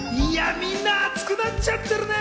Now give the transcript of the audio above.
みんな、熱くなっちゃってるね。